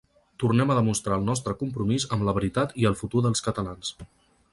Tornem a demostrar el nostre compromís amb la veritat i el futur dels catalans.